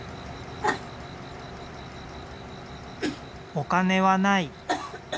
お金はない。